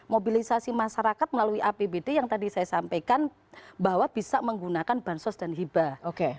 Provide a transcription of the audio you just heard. mobilisasi masyarakat melalui apbd yang tadi saya sampaikan bahwa bisa menggunakan bansos dan hibah